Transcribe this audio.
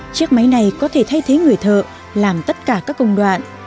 chiếc máy này có thể thay thế người thợ làm tất cả các công đoạn